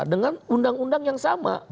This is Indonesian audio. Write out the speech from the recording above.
dengan undang undang yang sama